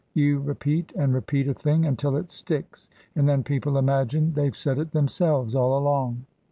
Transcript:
You repeat and re peat a thing until it sticks, and then people imagine they've said it themselves all along."